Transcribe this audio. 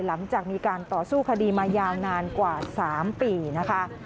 หลังจากมีการต่อสู้คดีมายาวนานกว่า๓ปีนะคะ